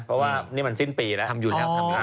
เพราะว่านี่มันสิ้นปีแล้วทำอยู่แล้วทำอยู่